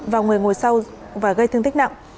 vào người ngồi sau và gây thương tích nặng